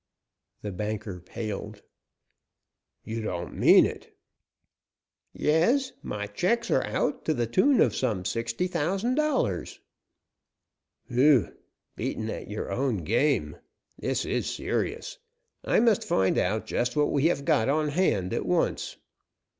The banker paled. "You don't mean it?" "Yes. My checks are out to the tune of some sixty thousand dollars." "Whew! Beaten at your own game. This is serious; I must find out just what we have got on hand at once."